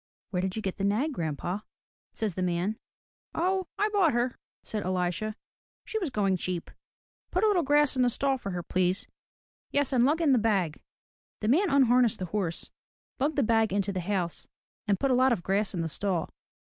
"Where did you get the nag, grandpa?'* says the man. *'0, I bought her,'* says EHsha, *'She was going cheap. Put a little grass in the stall for her, please. Yes, and lug in the bag.*' The man unharnessed the horse, lugged the bag into the house, and put a lot of grass in the stall.